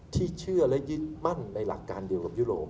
ที่เชื่อและยึดมั่นในหลักการเดียวกับยุโรป